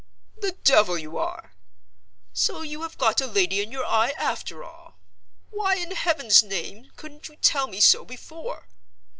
"The devil you are! So you have got a lady in your eye, after all? Why in Heaven's name couldn't you tell me so before?